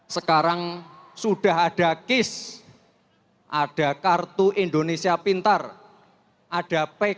sekarang sudah ada kis ada kartu indonesia pintar ada pk